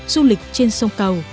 du lịch trên sông cầu